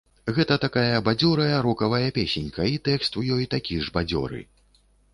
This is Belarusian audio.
Гэта такая бадзёрая, рокавая песенька, і тэкст у ёй такі ж бадзёры.